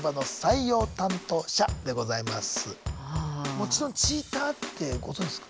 もちろんチーターってご存じですか？